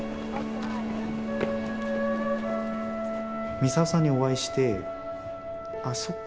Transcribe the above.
ミサオさんにお会いしてあっそっか。